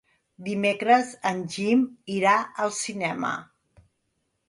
Dimecres en Guim irà al cinema.